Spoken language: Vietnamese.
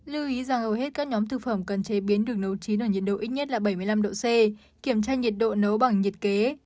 lưu ý rằng hầu hết các nhóm thực phẩm cần chế biến được nấu chín ở nhiệt độ ít nhất là bảy mươi năm độ c kiểm tra nhiệt độ nấu bằng nhiệt kế